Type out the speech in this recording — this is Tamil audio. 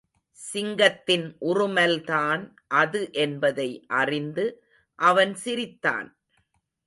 சிங்கத்தின் உறுமல்தான் அது என்பதை அறிந்து, அவன் சிரித்தான்.